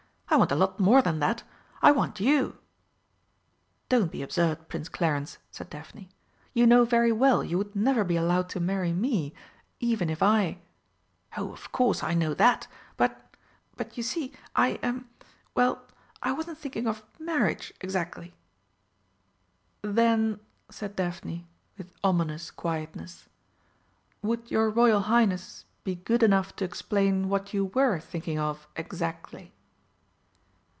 I want a lot more than that. I want you!" "Don't be absurd, Prince Clarence," said Daphne. "You know very well you would never be allowed to marry me, even if I " "Oh, of course, I know that. But but, you see, I er well, I wasn't thinking of marriage exactly." "Then," said Daphne, with ominous quietness, "would your Royal Highness be good enough to explain what you were thinking of exactly?"